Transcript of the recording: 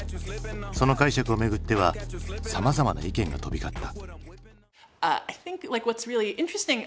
その解釈をめぐってはさまざまな意見が飛び交った。